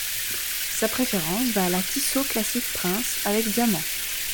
Sa préférence va à la Tissot Classic Prince avec diamants.